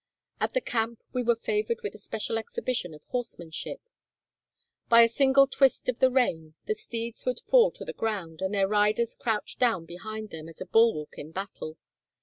At the camp we were favored with a special exhibition of horsemanship. By a single twist of the rein the steeds would fall to the ground, and their riders crouch down behind them as a bulwark in battle.